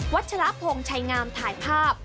ชะละพงศ์ชัยงามถ่ายภาพ